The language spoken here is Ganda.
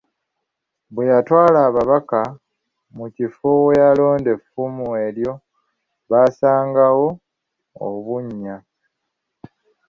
Bwe yatwala ababaka mu kifo we yalonda effumu eryo, baasangawo obunnya.